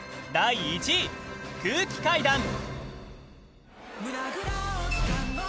第１位空気階段